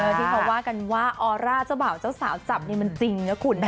ที่เขาว่ากันว่าออร่าเจ้าบ่าวเจ้าสาวจับนี่มันจริงนะคุณนะ